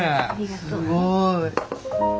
すごい！